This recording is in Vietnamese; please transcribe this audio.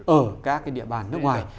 ở các địa bàn nước ngoài